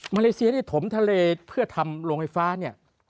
เลเซียที่ถมทะเลเพื่อทำโรงไฟฟ้าเนี่ย